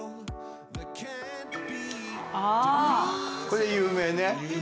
これ有名ね。